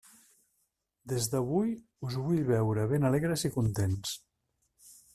Des d'avui us vull veure ben alegres i contents.